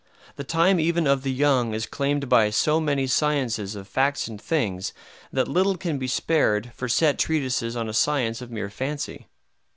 The time even of the young is claimed by so many sciences of facts and things that little can be spared for set treatises on a science of mere fancy.